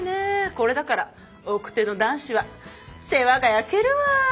これだから奥手の男子は世話が焼けるわ。